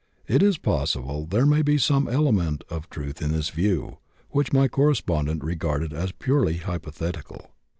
It is possible there may be some element of truth in this view, which my correspondent regarded as purely hypothetical.